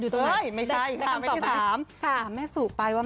โทรลาสอยู่ตรงไหนได้คำตอบไหนเมสูไปว่า